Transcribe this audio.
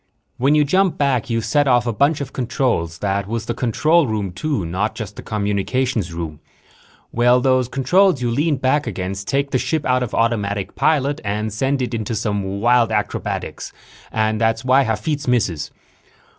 When you jump back, you set off a bunch of controls. That was the control room, too, not just the communications room. Well, those controls you lean back against take the ship out of automatic pilot and send it into some wild acrobatics and that's why Hafitz misses.